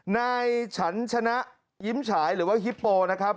นายฉันชนะยิ้มฉายหรือว่าฮิปโปนะครับ